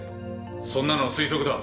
そんなのは推測だ。